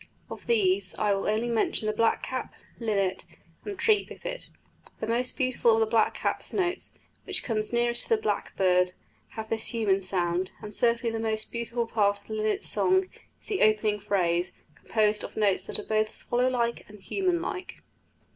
Of these I will only mention the blackcap, linnet, and tree pipit. The most beautiful of the blackcap's notes, which come nearest to the blackbird, have this human sound; and certainly the most beautiful part of the linnet's song is the opening phrase, composed of notes that are both swallow like and human like.